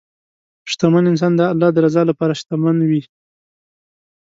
شتمن انسان د الله د رضا لپاره شتمن وي.